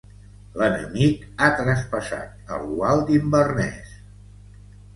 L'enemic ha traspassat el gual d'Inverness.